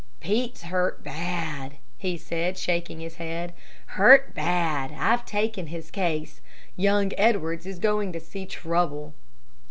"Pete's hurt bad," he said, shaking his head, "hurt bad. I've taken his case. Young Edwards is going to see trouble."